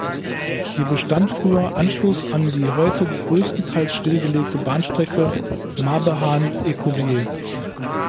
Hier bestand früher Anschluss an die heute größtenteils stillgelegte Bahnstrecke Marbehan–Ecouviez.